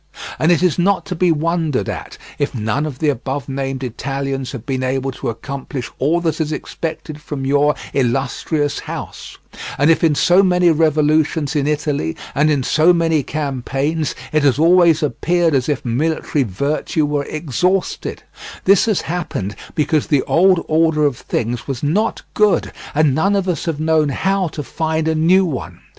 And it is not to be wondered at if none of the above named Italians have been able to accomplish all that is expected from your illustrious house; and if in so many revolutions in Italy, and in so many campaigns, it has always appeared as if military virtue were exhausted, this has happened because the old order of things was not good, and none of us have known how to find a new one.